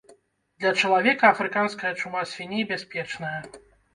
Для чалавека афрыканская чума свіней бяспечная.